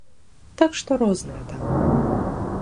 Так што розныя там.